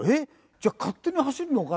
じゃあ勝手に走るのか？